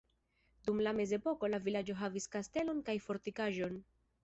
Dum la mezepoko la vilaĝo havis kastelon kaj fortikaĵon.